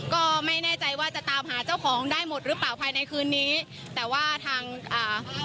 ก็ไม่แน่ใจว่าจะตามหาเจ้าของได้หมดหรือเปล่าภายในคืนนี้แต่ว่าทางอ่า